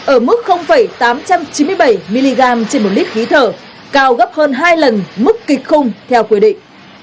ở mức tám trăm chín mươi bảy mg trên một lít khí thở cao gấp hơn hai lần mức kịch khung theo quy định